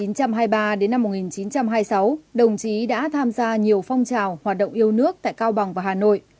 năm một nghìn chín trăm hai mươi ba một nghìn chín trăm hai mươi sáu đồng chí đã tham gia nhiều phong trào hoạt động yêu nước tại cao bằng và hà nội